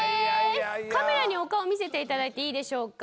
カメラにお顔見せていただいていいでしょうか。